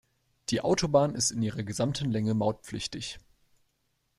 Die Autobahn ist in ihrer gesamten Länge mautpflichtig.